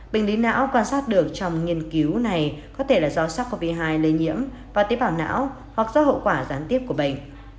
bệnh lý não quan sát được trong nghiên cứu này có thể là do sars cov hai lây nhiễm và tế bào não hoặc do hậu quả gián tiếp của bệnh